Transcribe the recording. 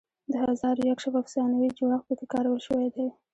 د هزار و یک شب افسانوي جوړښت پکې کارول شوی دی.